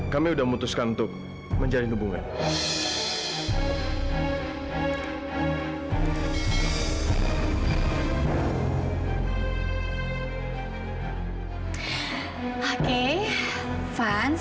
kami sudah memutuskan untuk menjalin hubungan